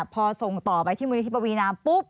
พอส่งต่อไปที่มูลนิธิปวีนามปุ๊บ